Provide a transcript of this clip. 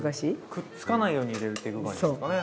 くっつかないように入れていく感じですかね？